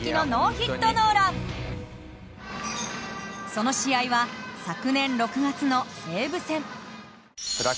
その試合は昨年６月の西武戦。